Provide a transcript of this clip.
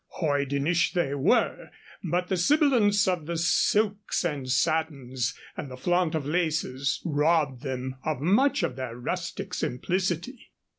Hoydenish they were, but the sibilance of the silks and satins and the flaunt of laces robbed them of much of their rustic simplicity.